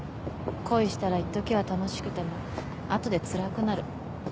恋したら一時は楽しくても後でつらくなる。